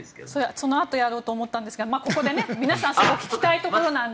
そのあとやろうと思ったんですが皆さん、聞きたいところなので。